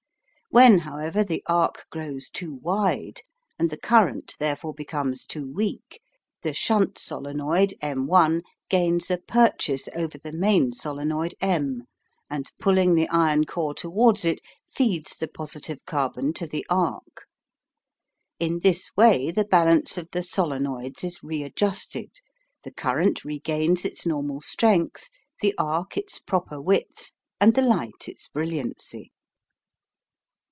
When, however, the arc grows too wide, and the current therefore becomes too weak, the shunt solenoid M' gains a purchase over the main solenoid M, and, pulling the iron core towards it, feeds the positive carbon to the arc. In this way the balance of the solenoids is readjusted, the current regains its normal strength, the arc its proper width, and the light its brilliancy.